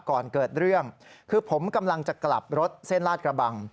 ก่อนเกิดเรื่องคือผมกำลังจะกลับรถเส้นลาดกระบัง